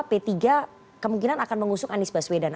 p tiga kemungkinan akan mengusung anies baswedan